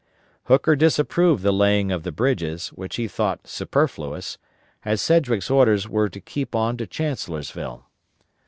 Hooker disapproved the laying of the bridges, which he thought superfluous, as Sedgwick's orders were to keep on to Chancellorsville.